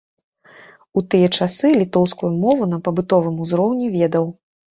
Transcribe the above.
У тыя часы літоўскую мову на побытавым узроўні ведаў.